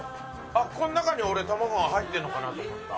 あっこの中に俺卵が入ってるのかなと思った。